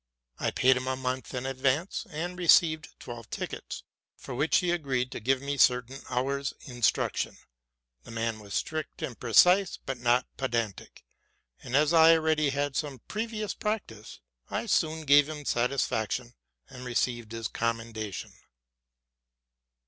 I paid him a month in advance, and received twelve tickets, for which he agreed to give me certain hours' instruction. The man was strict and precise, but not pedantic; and, as I already had some previous practice, I soon gave him satisfaction, and received his commendation.